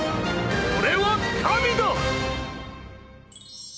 俺は神だ！！